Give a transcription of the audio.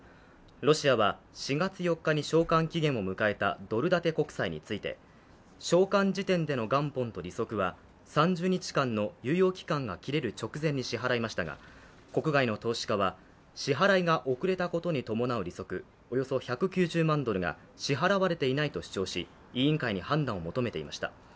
ロシアは４月４日に償還期限を迎えたドル建て国債について、償還時点での元本と利息は３０日間の猶予期間が切れる直前に支払いましたが、国外の投資家は、支払いが遅れたことに伴う利息、およそ１９０万ドルが支払われていないと主張し、委員会に判断を求めていました。